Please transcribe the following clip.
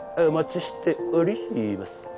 お待ちしております。